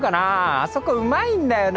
あそこうまいんだよね。